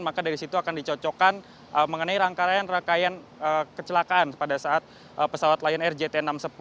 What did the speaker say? maka dari situ akan dicocokkan mengenai rangkaian rangkaian kecelakaan pada saat pesawat lion air jt enam ratus sepuluh